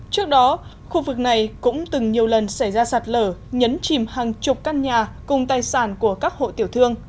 trước đó khu vực này cũng từng nhiều lần xảy ra sạt lở nhấn chìm hàng chục căn nhà cùng tài sản của các hộ tiểu thương